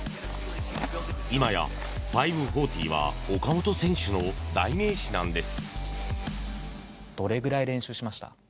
今や５４０は岡本選手の代名詞なんです。